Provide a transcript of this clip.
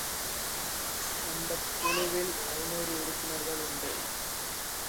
அந்தக் குழுவில் ஐந்நூறு உறுப்பினர் உண்டு.